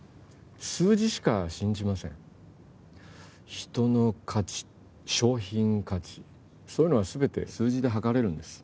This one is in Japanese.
数字しか信じません人の価値商品価値そういうのは全て数字で測れるんです